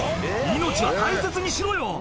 「命は大切にしろよ！